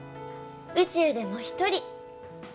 宇宙でも一人。